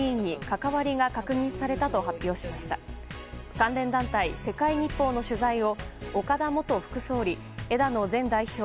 関連団体、世界日報の取材を岡田元副総理、枝野前代表